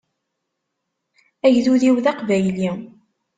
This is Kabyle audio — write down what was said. Agdud-iw d aqbayli.